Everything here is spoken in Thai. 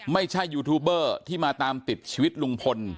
ยูทูบเบอร์ที่มาตามติดชีวิตลุงพล